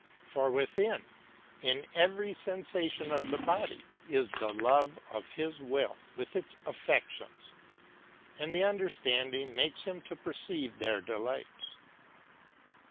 For within, in every sensation of the body, is the love of his will, with its affections ; and the understanding makes him to jDcrceive their delights.